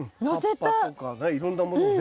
葉っぱとかねいろんなものをね